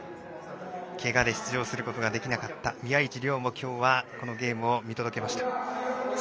けがで出場することができなかった宮市亮も今日はこのゲームを見届けました。